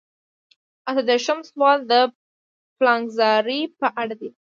اته دېرشم سوال د پلانګذارۍ په اړه دی.